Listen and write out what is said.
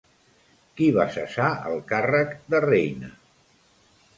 Qui va cessar el càrrec de Reyna?